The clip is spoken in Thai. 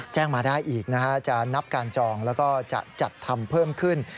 แจ้งมาได้อีกนะฮะจะนับการจองแล้วก็จะจัดทำเพิ่มขึ้น